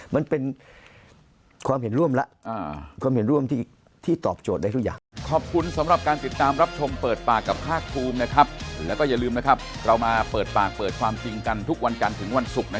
มันเป็นความเห็นร่วมแล้วความเห็นร่วมที่ตอบโจทย์ได้ทุกอย่าง